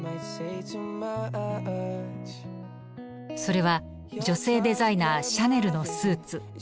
それは女性デザイナーシャネルのスーツ。